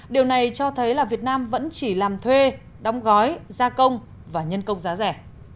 điều này cho thấy là việt nam vẫn chỉ làm thuê đóng gói gia công và nhân công giá rẻ